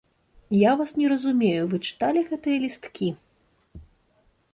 Я вас не разумею, вы чыталі гэтыя лісткі?